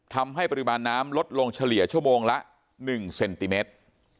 ทำให้ปริมาณน้ำลดลงเฉลี่ยชั่วโมงละ๑เซนติเมตร